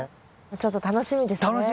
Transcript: ちょっと楽しみですね。